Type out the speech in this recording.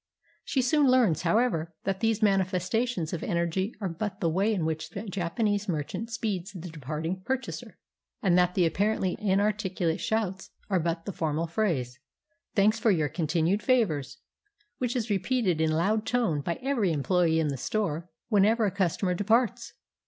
She soon learns, however, that these manifestations of energy are but the way in which the Japanese merchant speeds the departing purchaser, and that the apparently inartic ulate shouts are but the formal phrase, ''Thanks for your continued favors," which is repeated in a loud tone by every employee in the store whenever a customer departs.